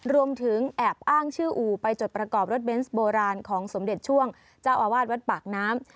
รวมถึงแอบอ้างชื่ออู่ไปจดประกอบรถเบนส์โบราณของสมเด็จช่วงเจ้าอาวาสวัดปากน้ำ